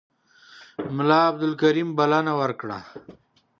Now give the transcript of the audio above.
ملا عبدالکریم بلنه ورکړه.